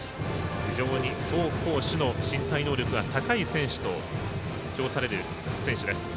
非常に走攻守の身体能力の高い選手と評される選手です。